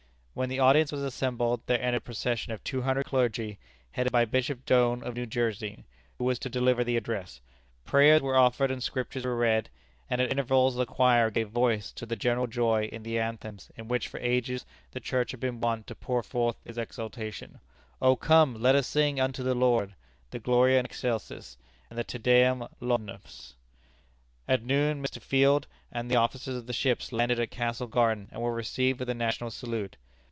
When the audience were assembled, there entered a procession of two hundred clergy, headed by Bishop Doane of New Jersey, who was to deliver the address. Prayers were offered and Scriptures were read, and at intervals the choir gave voice to the general joy in the anthems in which for ages the Church has been wont to pour forth its exultation: "O come, let us sing unto the Lord," the Gloria in Excelsis, and the Te Deum Laudamus. At noon, Mr. Field and the officers of the ships landed at Castle Garden and were received with a national salute.